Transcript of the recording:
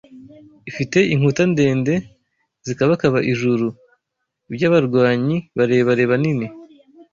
ifite inkuta ndende zikabakaba ijuru iby’abarwanyi barebare banini